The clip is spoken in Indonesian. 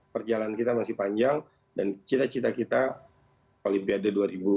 perjalanan kita masih panjang dan cita cita kita olimpiade dua ribu dua puluh